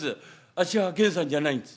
あっしは源さんじゃないんです」。